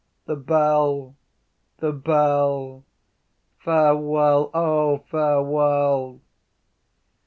The bell! The bell! Farewell! O farewell!